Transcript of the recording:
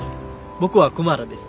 僕はクマラです。